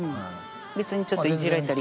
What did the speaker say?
別にちょっとイジられたり。